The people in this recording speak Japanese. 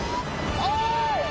おい！